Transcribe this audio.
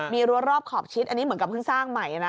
มีรั้วรอบขอบชิดอันนี้เหมือนกับเพิ่งสร้างใหม่นะ